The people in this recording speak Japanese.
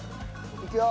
いくよ？